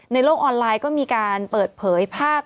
ในโลกออนไลน์ก็มีการเปิดเผยภาพ